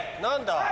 何だ？